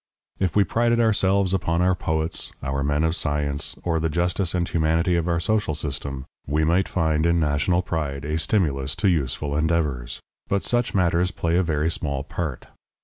If we prided ourselves upon our poets, our men of science, or the justice and humanity of our social system, we might find in national pride a stimulus to useful endeavors. But such matters play a very small part.